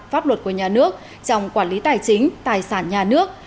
pháp luật của nhà nước trong quản lý tài chính tài sản nhà nước